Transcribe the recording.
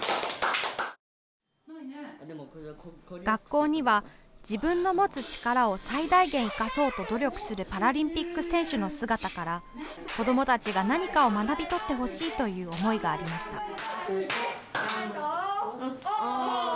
学校には、自分の持つ力を最大限に生かそうと努力するパラリンピック選手の姿から子どもたちが何かを学び取ってほしいという思いがありました。